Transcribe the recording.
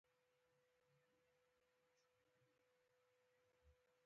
آزاد تجارت مهم دی ځکه چې بازار پراخوي.